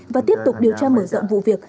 và tiếp tục điều tra mở rộng vụ việc